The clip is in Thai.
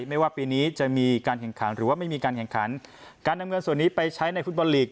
ไม่ว่าปีนี้จะมีการแข่งขันหรือว่าไม่มีการแข่งขันการนำเงินส่วนนี้ไปใช้ในฟุตบอลลีก